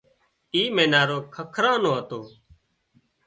اِي مينارو ککران نو هتو